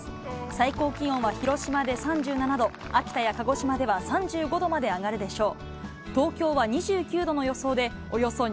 最高気温は広島で３７度、秋田や鹿児島では３５度まで上がるでしょう。